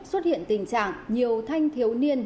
xuất hiện tình trạng nhiều thanh thiếu niên